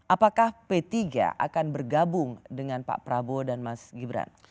apakah p tiga akan bergabung dengan pak prabowo dan mas gibran